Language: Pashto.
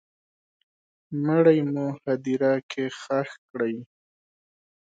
مړی مو هدیره کي ښخ کړی